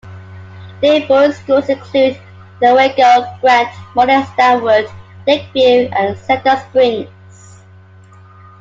Neighboring schools include Newaygo, Grant, Morley-Stanwood, Lakeview and Cedar Springs.